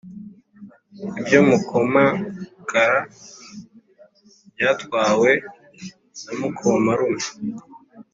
ibya mukomakara byatwawe na mukomarume